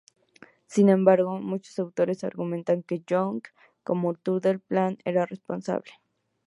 Sin embargo, muchos autores argumentan que Young, como autor del plan, era responsable.